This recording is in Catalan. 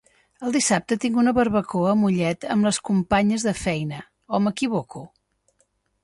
El dissabte tinc una barbacoa a Mollet amb les companyes de feina o m'equivoco?